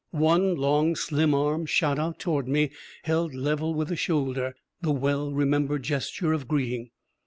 One long, slim arm shot out toward me, held level with the shoulder: the well remembered gesture of greeting.